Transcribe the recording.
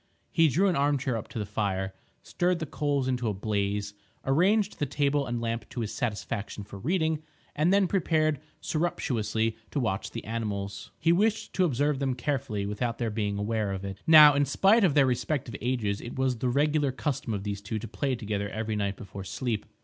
He drew an arm chair up to the fire, stirred the coals into a blaze, arranged the table and lamp to his satisfaction for reading, and then prepared surreptitiously to watch the animals. He wished to observe them carefully without their being aware of it. Now, in spite of their respective ages, it was the regular custom of these two to play together every night before sleep.